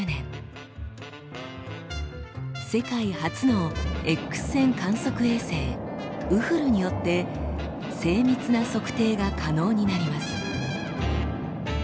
世界初のＸ線観測衛星ウフルによって精密な測定が可能になります。